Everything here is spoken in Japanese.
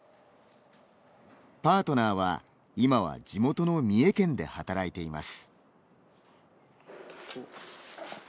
パートナーは今は地元の三重県で働いています。